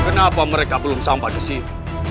kenapa mereka belum sampai di sini